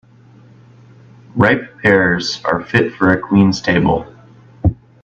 Ripe pears are fit for a queen's table.